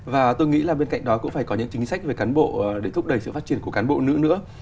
và tôi nghĩ là bên cạnh đó cũng phải có những chính sách về cán bộ để thúc đẩy sự phát triển của cán bộ nữ nữa